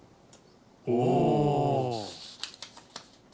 お！